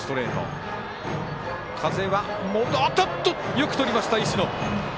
よくとりました、石野！